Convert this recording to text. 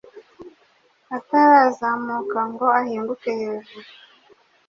atarazamuka ngo ahinguke hejuru.